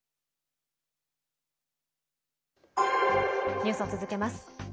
ニュースを続けます。